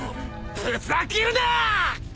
ふざけるなー！